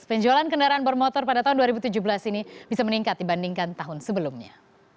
penjualan kendaraan bermotor pada tahun dua ribu tujuh belas ini bisa meningkat dibandingkan tahun sebelumnya